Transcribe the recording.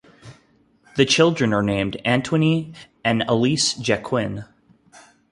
The children are named Antoine and Elise Jacquin.